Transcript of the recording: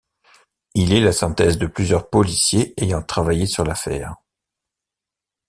Il est la synthèse de plusieurs policiers ayant travaillés sur l'affaire.